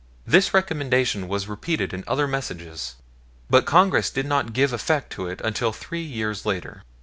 This recommendation was repeated in other messages, but Congress did not give effect to it until three years later.